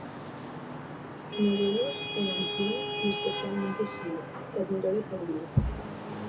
Sus modelos eran Klimt y especialmente Schiele, que admiró de por vida.